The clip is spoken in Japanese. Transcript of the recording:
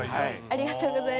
ありがとうございます。